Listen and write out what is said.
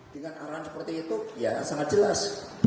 dengan arahan seperti itu ya sangat jelas